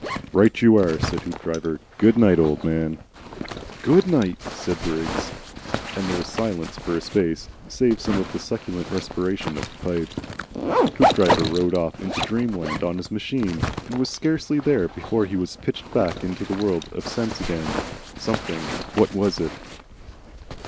"Right you are!" said Hoopdriver. "Good night, old man." "Good night," said Briggs, and there was silence for a space, save for the succulent respiration of the pipe. Hoopdriver rode off into Dreamland on his machine, and was scarcely there before he was pitched back into the world of sense again. Something what was it?